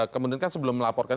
kemudian kan sebelum melaporkan